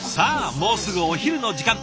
もうすぐお昼の時間。